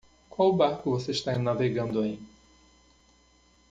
Qual barco você está navegando em?